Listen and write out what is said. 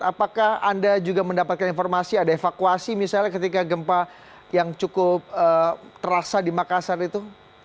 apakah anda juga mendapatkan informasi ada evakuasi misalnya ketika gempa yang cukup terasa di makassar itu